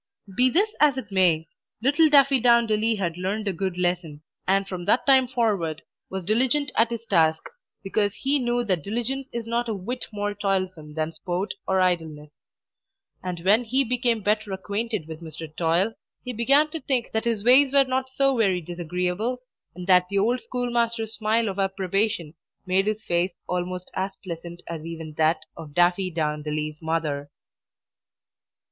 Be this as it may, little Daffydowndilly had learned a good lesson, and from that time forward was diligent at his task, because he knew that diligence is not a whit more toilsome than sport or idleness. And when he became better acquainted with Mr. Toil, he began to think that his ways were not so very disagreeable, and that the old schoolmaster's smile of approbation made his face almost as pleasant as even that of Daffydowndilly's mother.